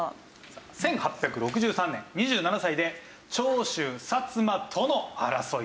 １９６３年２７歳で「長州・薩摩との争い」。